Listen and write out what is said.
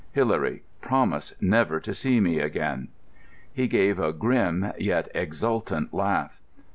Hilary, promise never to see me again." He gave a grim yet exultant laugh.